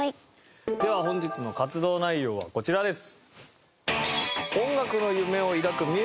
では本日の活動内容はこちらです。